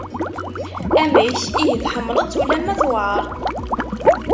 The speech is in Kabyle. Amek! Ihi tḥemmleḍ-tt ulamma tuɛer?